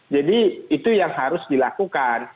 jadi itu yang harus dilakukan